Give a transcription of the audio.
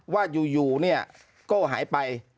ว่าอยู่เนี่ยโก้หายไป